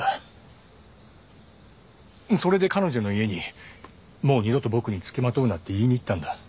それで彼女の家にもう二度と僕に付きまとうなって言いに行ったんだ。